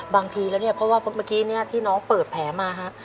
บางทีแล้วเนี่ยเพราะว่าเมื่อกี้เนี่ยที่น้องเปิดแผลมาฮะ